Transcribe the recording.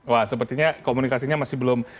wah sepertinya komunikasinya masih belum